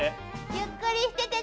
ゆっくりしててね。